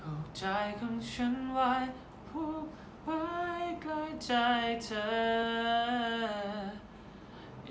พูดใจของฉันไว้พูดไว้ใกล้ใจเธอ